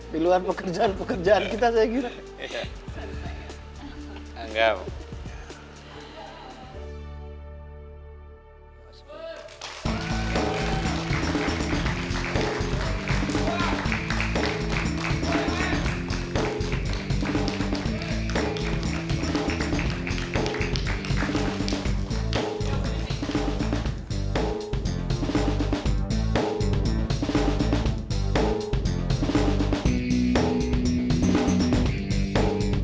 di luar pekerjaan pekerjaan kita saya kira enggak